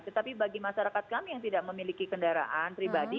tetapi bagi masyarakat kami yang tidak memiliki kendaraan pribadi